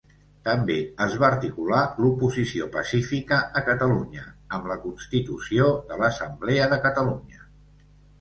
També es va articular l'oposició pacífica a Catalunya amb la constitució de l'Assemblea de Catalunya.